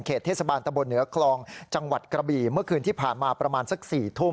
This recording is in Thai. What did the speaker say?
เทศบาลตะบนเหนือคลองจังหวัดกระบี่เมื่อคืนที่ผ่านมาประมาณสัก๔ทุ่ม